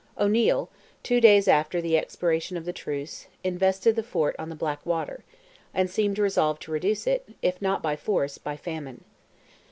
O'Neil, two days after the expiration of the truce, invested the fort on the Blackwater, and seemed resolved to reduce it, if not by force, by famine.